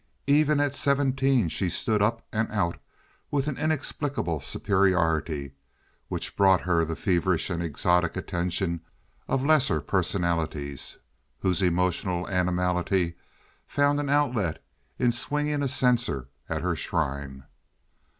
Even at seventeen she stood up and out with an inexplicable superiority which brought her the feverish and exotic attention of lesser personalities whose emotional animality found an outlet in swinging a censer at her shrine.